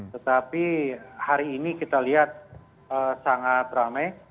tetapi hari ini kita lihat sangat ramai